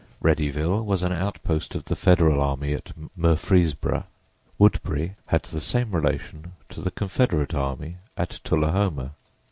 Readyville was an outpost of the Federal army at Murfreesboro; Woodbury had the same relation to the Confederate army at Tullahoma.